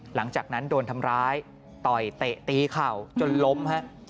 หลังจากนั้นโดนทำร้ายต่อยเตะตีเข่าจนล้มฮะ